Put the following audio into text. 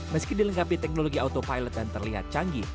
meski dilengkapi teknologi autopilot dan terlihat canggih